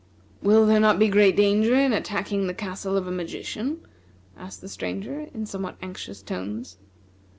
"Will there not be great danger in attacking the castle of a magician?" asked the Stranger in somewhat anxious tones.